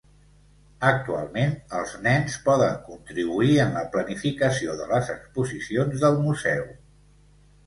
Actualment, els nens poden contribuir en la planificació de les exposicions del museu.